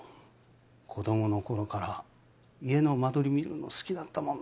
子供の頃から家の間取り見るの好きだったもん